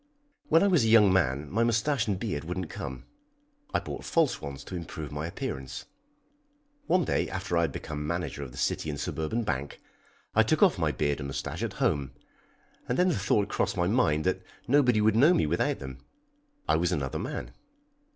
When I was a young man my moustache and beard wouldn't come. I bought false ones to improve my appearance. One day, after I had become manager of the City and Suburban Bank, I took off my beard and moustache at home, and then the thought crossed my mind that nobody would know me without them. I was another man.